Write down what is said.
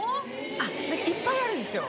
いっぱいあるんですよ。